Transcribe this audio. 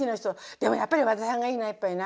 でもやっぱり和田さんがいいなやっぱりな。